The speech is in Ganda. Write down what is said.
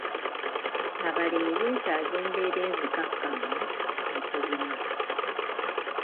Abalimi beetaaga embeera enzikakkamu okulima.